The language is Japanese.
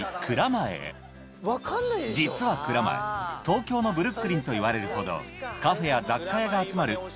蔵前東京のブルックリンといわれるほどカフェや雑貨屋が集まる